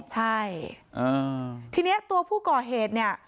ใช่ทีนี้ตัวผู้ก่อเหตุเนี่ย